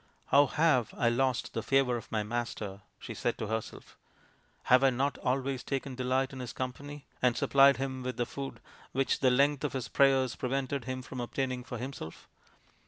" How have I lost the favour of my master ?" she said to herself. " Have I not always taken delight in his company, and supplied him with the food which the length of his prayers prevented him from obtaining for himself